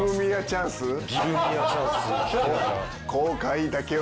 「後悔だけは」。